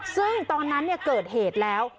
ซึ่งตอนนั้นเกิดเหตุแล้ว